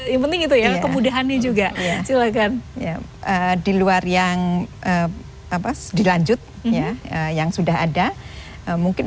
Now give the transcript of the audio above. yang penting itu ya kemudahan juga silakan diluar yang apa dilanjutnya yang sudah ada mungkin